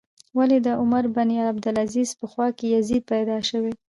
ولې د عمر بن عبدالعزیز په خوا کې یزید پیدا شوی.